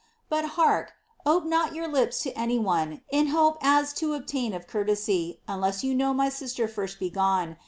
o'But hark, ope not yonr lips to any one In hope as to obtain of courtesy, Unless you know my sister first be gone.